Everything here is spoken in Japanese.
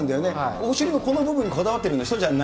お尻のこの部分にこだわってる人じゃない。